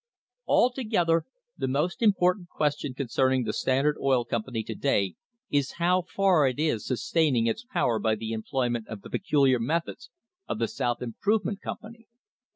Altogether the most important question concerning the Standard Oil Company to day is how far it is sustaining its power by the employment of the peculiar methods of the South Improvement Company.